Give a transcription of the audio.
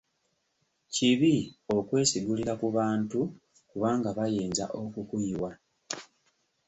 Kibi okwesigulira ku bantu kubanga bayinza okukuyiwa.